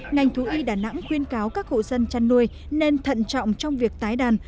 ngành thú y đà nẵng khuyên cáo các hộ dân chăn nuôi nên thận trọng trong việc tái đàn